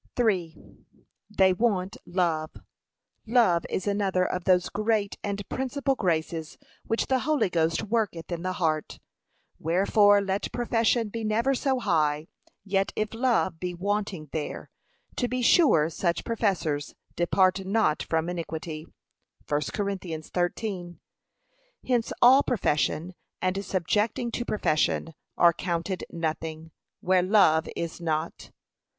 But, 3. [They want LOVE.] Love is another of those great and principal graces which the Holy Ghost worketh in the heart; wherefore let profession be never so high, yet if love be wanting there, to be sure such professors 'depart not from iniquity,' (1 Cor 13) Hence all profession, and subjecting to profession, are counted nothing, where love is not.